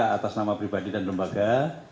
atas nama pribadi dan lembaga